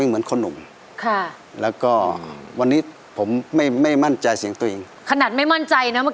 หรือรังเกียจฉันนั้นมันดำม่อต่อ